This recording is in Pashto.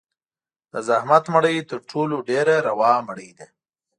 د زحمت مړۍ تر ټولو ډېره روا مړۍ ده.